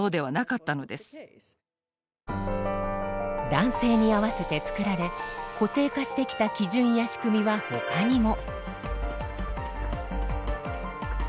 男性に合わせてつくられ固定化してきた基準や仕組みはほかにも。